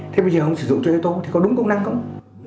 thế bây giờ không sử dụng cho yếu tố thì có đúng công năng không